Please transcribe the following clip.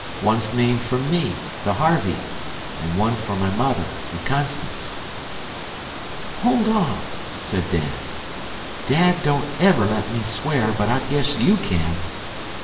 One's named for me, the 'Harvey', and one for my mother, the 'Constance'." "Hold on," said Dan. "Dad don't ever let me swear, but I guess you can.